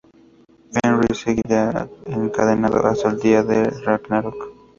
Fenrir seguirá encadenado hasta el día de Ragnarök.